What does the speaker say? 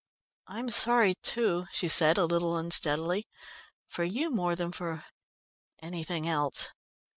"I'm sorry too," she said a little unsteadily. "For you more than for anything else."